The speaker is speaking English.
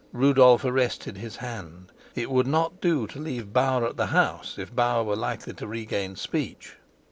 Rupert arrested his hand. It would not do to leave Bauer at the house, if Bauer were likely to regain speech.